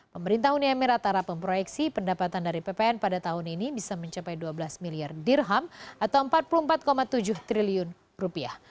pemerintah uni emirat arab memproyeksi pendapatan dari ppn pada tahun ini bisa mencapai dua belas miliar dirham atau empat puluh empat tujuh triliun rupiah